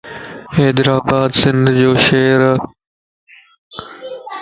حيدرآباد سنڌ جو شھرَ